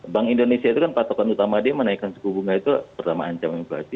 bank indonesia itu kan patokan utama dia menaikkan suku bunga itu pertama ancaman inflasi